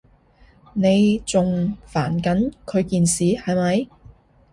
你仲煩緊佢件事，係咪？